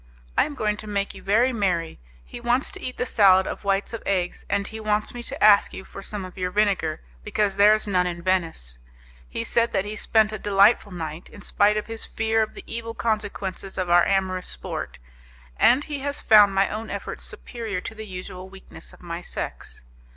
I am going to make you very merry: he wants to eat the salad of whites of eggs, and he wants me to ask you for some of your vinegar, because there is none in Venice. He said that he spent a delightful night, in spite of his fear of the evil consequences of our amorous sport, and he has found my own efforts superior to the usual weakness of my sex.